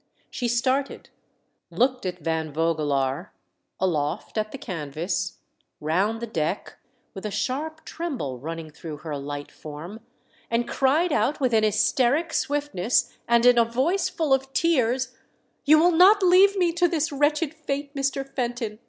She started, looked at Van Voge laar, aloft at the canvas, round the deck, with a sharp tremble running through her light form, and cried out with an hvsteric swift ness, and in a voice full of tears, "You will not leave me to this vv'retched fate, Mr. Fenton